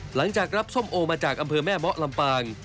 หลังจากรับส้มโอมาจากอำเภอแม่เมาะลำปาง